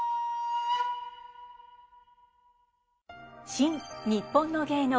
「新・にっぽんの芸能」